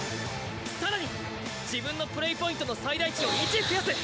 更に自分のプレイポイントの最大値を１増やす。